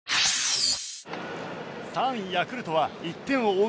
３位ヤクルトは１点を追う